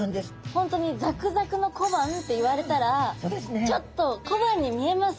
本当にザクザクの小判って言われたらちょっと小判に見えます